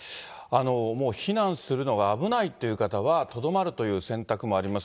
もう避難するのが危ないっていう方は、とどまるという選択もあります。